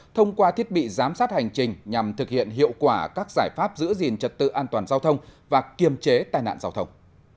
thông qua thiết bị giám sát hành trình nhằm thực hiện hiệu quả các giải pháp giữ gìn trật tự an toàn giao thông và kiềm chế tai nạn giao thông